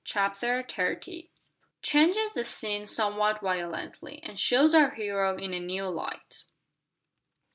CHAPTER THIRTY. CHANGES THE SCENE SOMEWHAT VIOLENTLY, AND SHOWS OUR HERO IN A NEW LIGHT.